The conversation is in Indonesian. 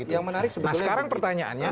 yang menarik sebenarnya nah sekarang pertanyaannya